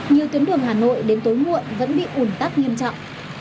nhiều tuyến đường hà nội đến tối muộn vẫn bị ủn tắc nghiêm trọng